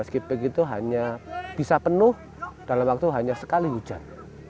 kipik itu hanya bisa penuh dalam waktu hanya sekali hujan